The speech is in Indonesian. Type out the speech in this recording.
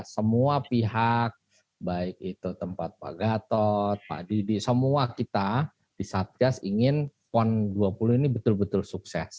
semua pihak baik itu tempat pak gatot pak didi semua kita di satgas ingin pon dua puluh ini betul betul sukses